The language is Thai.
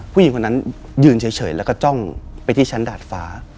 ผู้หญิงคนนั้นยืนเฉยแล้วก็จ้องไปที่ชั้นดาดฟ้า